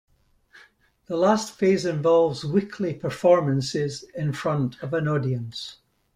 The last phase involves weekly performances in front of an audience.